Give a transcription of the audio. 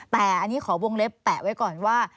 แต่อันนี้ขอวงเล็บแปะไว้ก่อนว่า